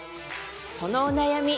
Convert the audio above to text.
そのお悩み